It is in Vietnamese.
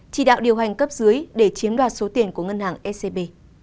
chỉ đạo điều hành cấp dưới để chiếm đoạt số tiền của ngân hàng scb